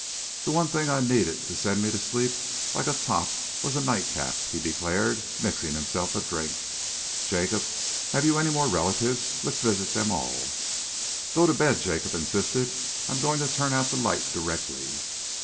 "The one thing I needed to send me to sleep like a top was a nightcap," he declared, mixing himself a drink. "Jacob, have you any more relatives? Let's visit 'em all." "You go to bed," Jacob insisted. "I'm going to turn out the light directly."